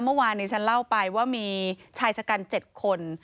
เมื่อวานนี้ฉันเล่าไปว่ามีชายชะกัน๗คน